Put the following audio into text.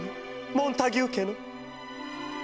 モンタギュー家の」。